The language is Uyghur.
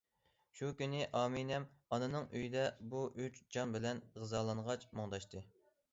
شۇ كۈنى ئامىنەم ئانىنىڭ ئۆيىدە بۇ ئۈچ جان بىللە غىزالانغاچ مۇڭداشتى.